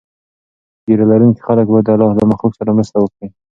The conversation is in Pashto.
ږیره لرونکي خلک باید د الله له مخلوق سره مرسته وکړي.